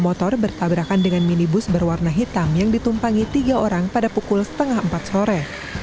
motor bertabrakan dengan minibus berwarna hitam yang ditumpangi tiga orang pada pukul setengah empat sore